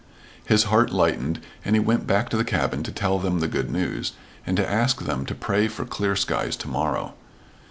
His heart lightened and he went back to the cabin to tell them the good news, and to ask them to pray for clear skies to morrow.